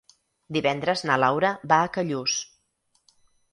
Divendres na Laura va a Callús.